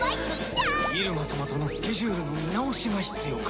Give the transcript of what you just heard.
入間様とのスケジュールの見直しが必要か。